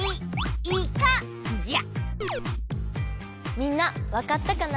みんなわかったかな？